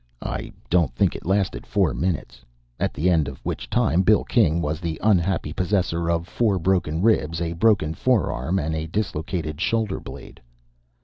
I don't think it lasted four minutes, at the end of which time Bill King was the unhappy possessor of four broken ribs, a broken forearm, and a dislocated shoulder blade.